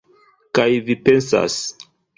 Kaj vi pensas